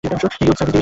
Youth service division.